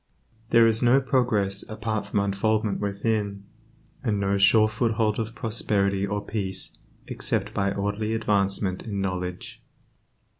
There is no progress apart from unfoldment within, and no sure foothold of prosperity or peace except by orderly advancement in knowledge.